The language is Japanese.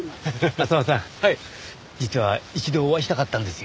浅輪さん実は一度お会いしたかったんですよ。